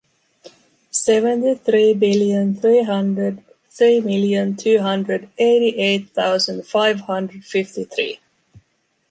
Seventy three billion three hundred three million two hundred eighty eight thousand five hundred fifty three.